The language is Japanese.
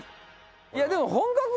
いやでも。